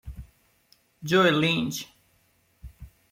Joel Lynch